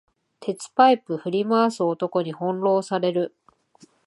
鉄パイプ振り回す男に翻弄される